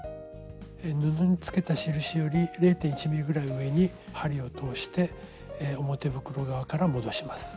布につけた印より０．１ｍｍぐらい上に針を通して表袋側から戻します。